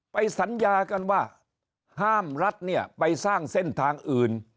สัญญากันว่าห้ามรัฐเนี่ยไปสร้างเส้นทางอื่น